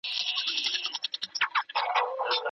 اسیدي چاپېریال هم خنډ جوړوي.